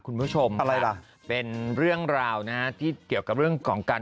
คุณผู้ชมอะไรล่ะเป็นเรื่องราวนะฮะที่เกี่ยวกับเรื่องของการ